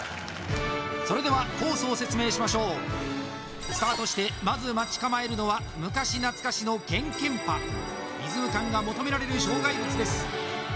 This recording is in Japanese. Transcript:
それではコースを説明しましょうスタートしてまず待ち構えるのは昔懐かしのけんけんぱリズム感が求められる障害物です